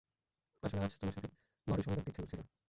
আসলে, আজ তোমার সাথে ঘরে সময় কাটাতে ইচ্ছা করছিল।